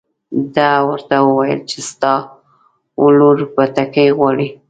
ده ورته وویل چې ستا ولور بتکۍ غواړي.